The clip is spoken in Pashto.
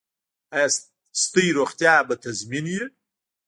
ایا ستاسو روغتیا به تضمین وي؟